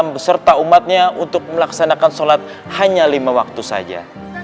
beserta umatnya untuk melaksanakan sholat hanya lima waktu saja